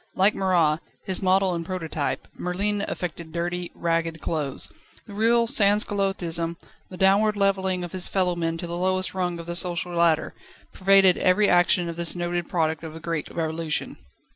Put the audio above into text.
Like Marat, his model and prototype, Merlin affected dirty, ragged clothes. The real Sanscullottism, the downward levelling of his fellowmen to the lowest rung of the social ladder, pervaded every action of this noted product of the great Revolution.